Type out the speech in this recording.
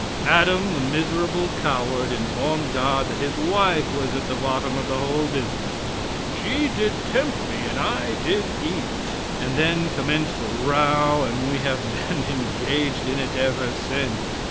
Adam, the miserable coward, informed God that his wife was at the bottom of the whole business! "She did tempt me and I did eat!" And then commenced a row, and we have been engaged in it ever since!